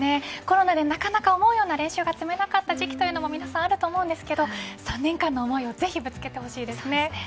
コロナでなかなか思うような練習が積めなかった時期というのも皆さん、あると思うんですが３年間の思いをぜひぶつけてほしいですね。